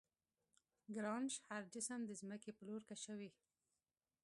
ګرانش هر جسم د ځمکې پر لور کشوي.